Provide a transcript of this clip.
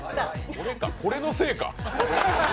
これか、これのせいか。